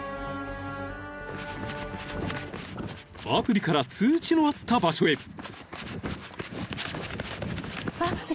［アプリから通知のあった場所へ］